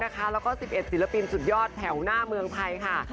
แล้วก็๑๑ศิลปินสุดยอดแถวหน้าเมืองไทยค่ะ